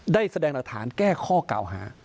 ได้แสดงหลักฐานแก้ข้อกล่าวหา